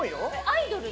アイドル。